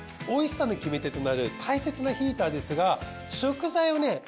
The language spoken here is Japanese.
おいしさの決め手となる大切なヒーターですが食材をね